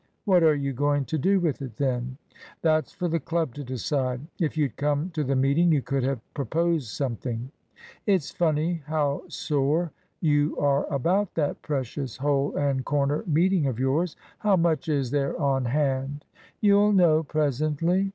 "What are you going to do with it, then?" "That's for the club to decide. If you'd come to the meeting you could have proposed something." "It's funny how sore you are about that precious hole and corner meeting of yours. How much is there on hand?" "You'll know presently."